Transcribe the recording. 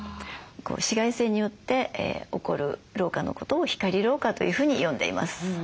紫外線によって起こる老化のことを「光老化」というふうに呼んでいます。